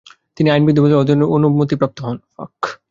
তিনি আইন বিদ্যালয়ে অধ্যয়নের অনুমতিপ্রাপ্ত হন।